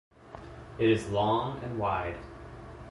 It is long and wide.